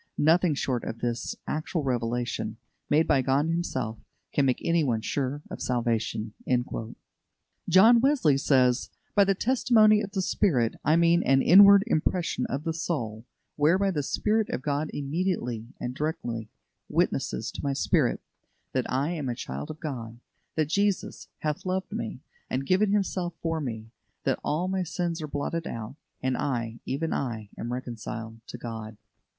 Nothing short of this actual revelation, made by God Himself, can make anyone sure of salvation." John Wesley says: "By the testimony of the Spirit, I mean an inward impression of the soul, whereby the Spirit of God immediately and directly witnesses to my spirit that I am a child of God; that 'Jesus hath loved me, and given Himself for me'; that all my sins are blotted out, and I, even I, am reconciled to God."